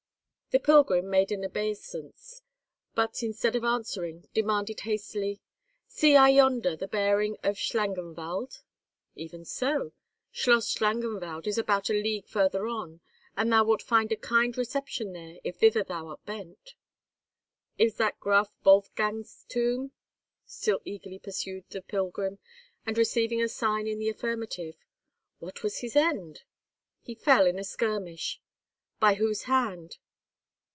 The pilgrim made an obeisance, but, instead of answering, demanded hastily, "See I yonder the bearing of Schlangenwald?" "Even so. Schloss Schlangenwald is about a league further on, and thou wilt find a kind reception there, if thither thou art bent." "Is that Graff Wolfgang's tomb?" still eagerly pursued the pilgrim; and receiving a sign in the affirmative, "What was his end?" "He fell in a skirmish." "By whose hand?"